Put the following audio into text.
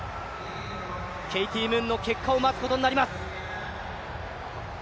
ケイティ・ムーンの結果を待つことになります。